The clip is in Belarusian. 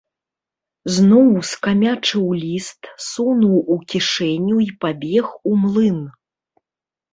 Зноў скамячыў ліст, сунуў у кішэню і пабег у млын.